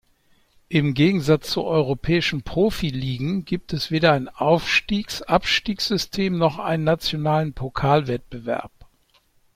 Im Gegensatz zu europäischen Profiligen gibt es weder ein Aufstiegs-Abstiegssystem noch einen nationalen Pokalwettbewerb.